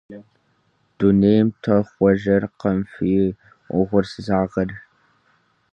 Дунейм техуэжыркъым фи угъурсызагъыр.